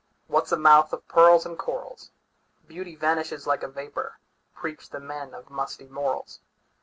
What 's a mouth of pearls and corals? Beauty vanishes like a vapor, Preach the men of musty morals!